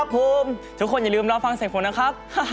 ขอบคุณค่ะ